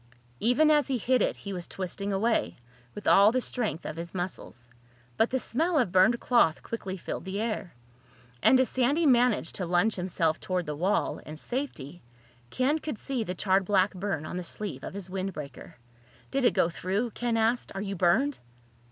Even as he hit it he was twisting away, with all the strength of his muscles. But the smell of burned cloth quickly filled the air. And as Sandy managed to lunge himself toward the wall, and safety, Ken could see the charred black burn on the sleeve of his windbreaker. "Did it go through?" Ken asked. "Are you burned?"